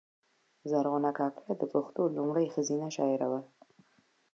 زرغونه کاکړه د پښتو لومړۍ ښځینه شاعره وه